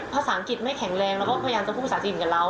ภาษาอังกฤษไม่แข็งแรงเราก็พยายามจะพูดภาษาจีนกับเรา